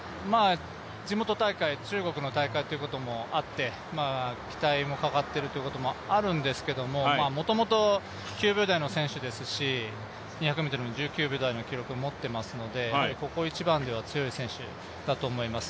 地元大会、中国の大会ということもあって期待もかかっているということもあるんですけれども、もともと９秒台の選手ですし、２００ｍも１９秒台の記録を持っていますので、ここ一番では強い選手だと思います。